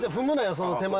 その手前の。